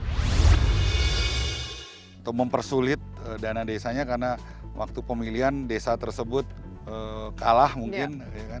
untuk mempersulit dana desanya karena waktu pemilihan desa tersebut kalah mungkin